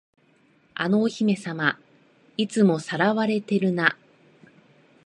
あのお姫様、いつも掠われてるな。